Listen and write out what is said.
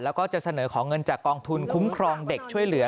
แล้วก็จะเสนอขอเงินจากกองทุนคุ้มครองเด็กช่วยเหลือ